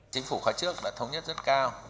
chính phủ khóa trước đã thống nhất rất cao